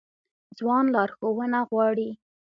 ځوان لارښوونه غواړي